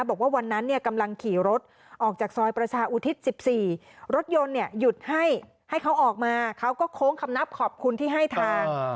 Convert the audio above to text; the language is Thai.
บอกว่าวันนั้นกำลังขี่รถออกจากซอยประชาอุทิศ๑๔รถยนต์หยุดให้ให้เขาออกมาเขาก็โค้งคำนับขอบคุณที่ให้ทาง